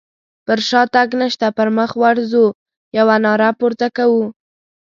پر شاتګ نشته پر مخ ورځو يوه ناره پورته کوو.